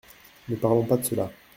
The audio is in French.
Ne parlons pas de cela !